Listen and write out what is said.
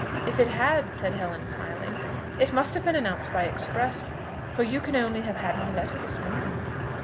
"If it had," said Helen, smiling, "it must have been announced by express, for you can only have had my letter this morning."